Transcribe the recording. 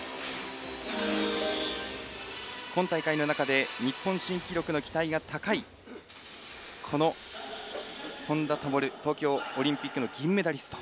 今大会の中で日本新記録の期待が高い、本多灯東京オリンピックの銀メダリスト。